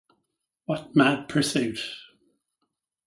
What mad pursuit?